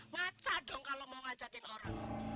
macah dong kalo mau ngajakin orang